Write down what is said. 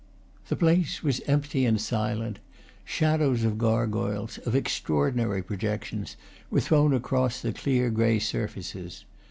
The place was empty and silent; shadows of gargoyles, of extra ordinary projections, were thrown across the clear gray surfaces.